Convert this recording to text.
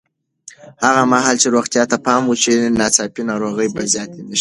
هغه مهال چې روغتیا ته پام وشي، ناڅاپي ناروغۍ به زیاتې نه شي.